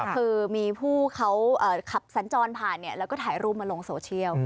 คือมีผู้เขาขับสัญจรผ่านแล้วก็ถ่ายรูปมาลงโซเชียล